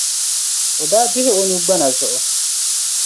O daa dihi o nuu gbana zuɣu.